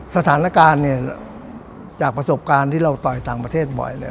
สถานการณ์เนี่ยจากประสบการณ์ที่เราต่อยต่างประเทศบ่อยเลย